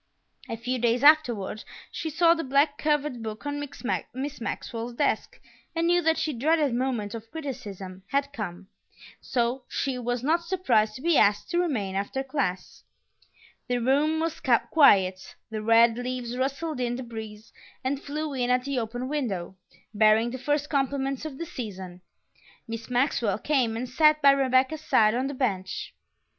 A few days afterward she saw the black covered book on Miss Maxwell's desk and knew that the dreaded moment of criticism had come, so she was not surprised to be asked to remain after class. The room was quiet; the red leaves rustled in the breeze and flew in at the open window, bearing the first compliments of the season. Miss Maxwell came and sat by Rebecca's side on the bench.